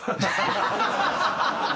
ハハハハ！